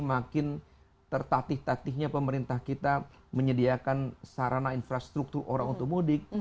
makin tertatih tatihnya pemerintah kita menyediakan sarana infrastruktur orang untuk mudik